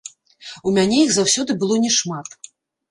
У мяне іх заўсёды было не шмат.